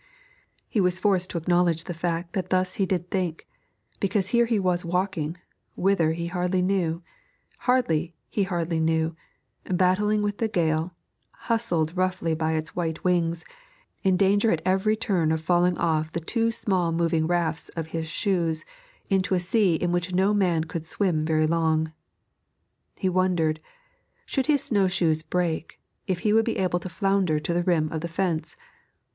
He was forced to acknowledge the fact that thus he did think, because here he was walking, whither he hardly knew, how he hardly knew, battling with the gale, hustled roughly by its white wings, in danger at every turn of falling off the two small moving rafts of his shoes into a sea in which no man could swim very long. He wondered, should his snow shoes break, if he would be able to flounder to the rim of the fence?